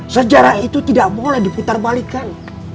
sejarah itu tidak boleh diputar balikan